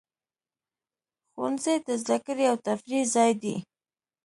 ښوونځی د زده کړې او تفریح ځای دی.